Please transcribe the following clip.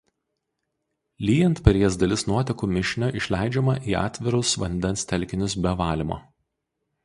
Lyjant per jas dalis nuotekų mišinio išleidžiama į atvirus vandens telkinius be valymo.